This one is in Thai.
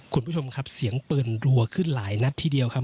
คุณผู้ชมครับเสียงปืนรัวขึ้นหลายนัดทีเดียวครับ